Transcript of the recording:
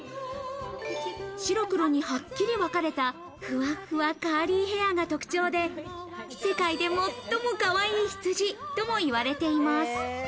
白黒にはっきり分かれたふわふわカーリーヘアーが特徴で、世界で最もかわいい羊ともいわれています。